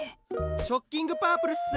ショッキングパープルっす！